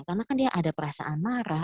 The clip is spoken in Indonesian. karena kan dia ada perasaan marah